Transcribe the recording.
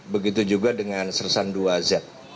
begitu juga dengan sersan dua z